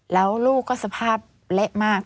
แล้วลูกก็สภาพเละมาก